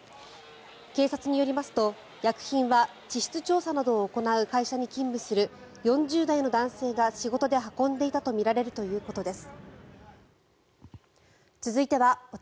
警察によりますと、薬品は地質調査などを行う会社に勤務する４０代の男性が仕事で運んでいたとみられるということです。